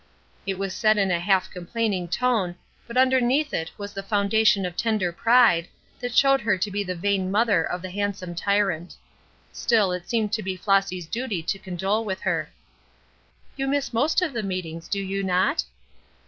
It was said in a half complaining tone, but underneath it was the foundation of tender pride, that showed her to be the vain mother of the handsome tyrant. Still it seemed to be Flossy's duty to condole with her. "You miss most of the meetings, do you not?"